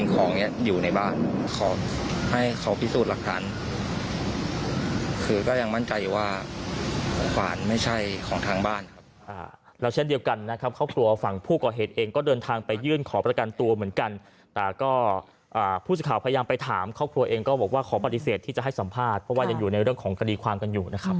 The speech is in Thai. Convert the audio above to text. ก็ยังมั่นใจว่าขวานไม่ใช่ของทางบ้าน